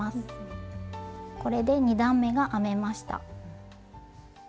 これで２段めが編めました。